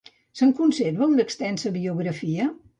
Se'n conserva una extensa biografia?